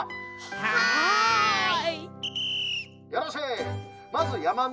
はい。